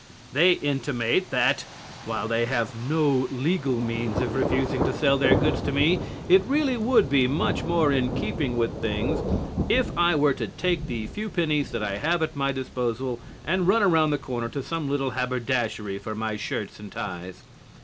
They intimate that, while they have no legal means of refusing to sell their goods to me, it really would be much more in keeping with things if I were to take the few pennies that I have at my disposal and run around the corner to some little haberdashery for my shirts and ties.